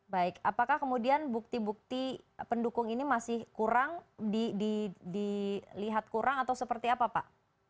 baik apakah kemudian bukti bukti pendukung ini masih kurang dilihat kurang atau seperti apa pak